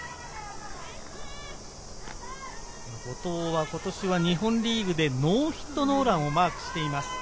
後藤は今年は日本リーグでノーヒットノーランをマークしています。